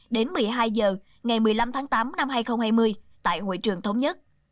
đến một mươi hai h ngày một mươi năm tháng tám năm hai nghìn hai mươi tại hội trường thống nhất